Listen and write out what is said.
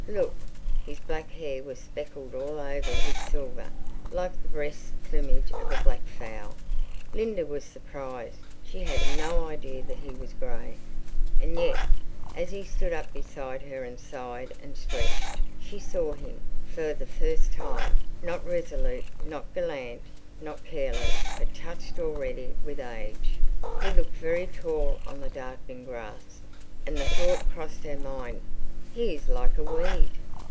"Look!" His black hair was speckled all over with silver, like the breast plumage of a black fowl. Linda was surprised. She had no idea that he was grey. And yet, as he stood up beside her and sighed and stretched, she saw him, for the first time, not resolute, not gallant, not careless, but touched already with age. He looked very tall on the darkening grass, and the thought crossed her mind, "He is like a weed."